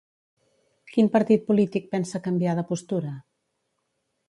Quin partit polític pensa canviar de postura?